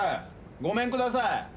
ごめんください。